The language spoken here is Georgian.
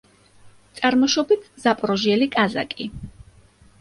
წარმოშობით ზაპოროჟიელი კაზაკი.